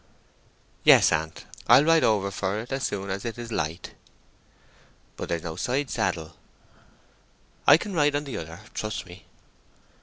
"Yes, aunt; and I'll ride over for it as soon as it is light." "But there's no side saddle." "I can ride on the other: trust me."